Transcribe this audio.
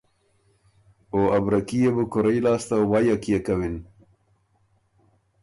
او ا بره کي يې بو کُورئ لاسته ویه کيې کَوِن؟